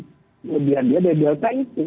kemudian dia delta itu